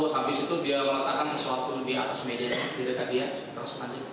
terus habis itu dia meletakkan sesuatu di atas media di dekat dia terus lanjut